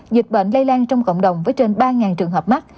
dịch bệnh lây lan trong cộng đồng với trên ba trường hợp mắc